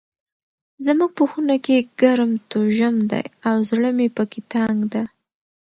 زموږ په خونه کې ګرم توژم ده او زړه مې پکي تنګ ده.